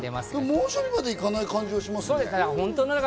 猛暑日までいかない感じですね。